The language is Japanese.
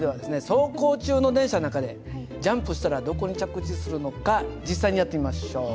走行中の電車の中でジャンプしたらどこに着地するのか実際にやってみましょう。